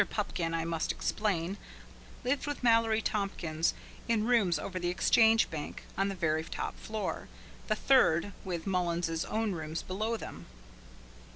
Pupkin, I must explain, lived with Mallory Tompkins in rooms over the Exchange Bank, on the very top floor, the third, with Mullins's own rooms below them.